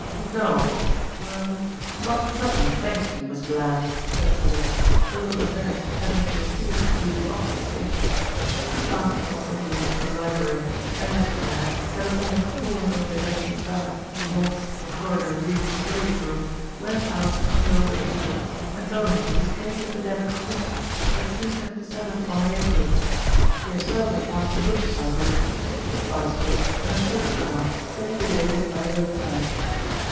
"No er not at present, thank you, Miss Blair," said Sir Lyster, a little embarrassed at having to refuse to do the obvious thing. He passed across the hall into the library, and Miss Blair, having almost fallen over the Japanese valet, "lost" in a corridor leading to the billiard room, went out to condole with Richards and tell him of a strange epidemic of mishaps that seemed to have descended upon the neighbourhood. She herself had passed a motor cycle, two push bicycles, and a Ford car, all disabled by the roadside.